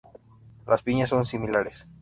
Las piñas son similares.